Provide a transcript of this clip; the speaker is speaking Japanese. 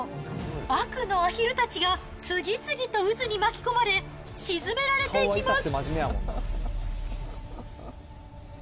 悪のアヒルたちが次々と渦に巻き込まれ、沈められていきます。